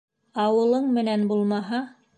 Ауылың менән булмаһа